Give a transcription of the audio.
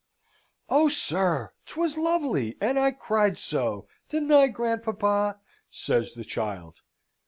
"Oh, sir, 'twas lovely! and I cried so, didn't I, grandpapa?" says the child.